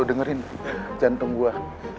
lo dengerin jantung gue